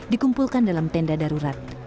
dikumpulkan dalam tenda darurat